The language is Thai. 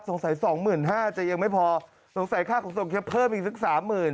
สองหมื่นห้าจะยังไม่พอสงสัยค่าขนส่งแค่เพิ่มอีกสักสามหมื่น